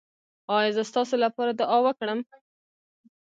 ایا زه ستاسو لپاره دعا وکړم؟